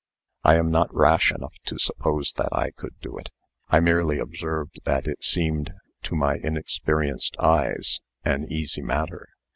"I am not rash enough to suppose that I could do it. I merely observed that it seemed to my inexperienced eyes an easy matter.